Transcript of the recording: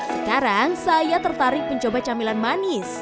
sekarang saya tertarik mencoba camilan manis